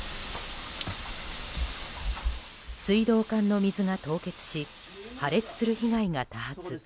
水道管の水が凍結し破裂する被害が多発。